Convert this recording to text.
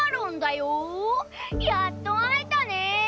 やっと会えたねぇ。